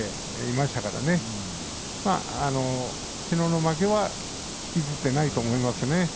きのうの負けは引きずっていないと思います。